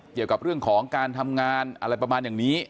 เกี่ยวกับเรื่องของการทำงานอะไรประมาณอย่างนี้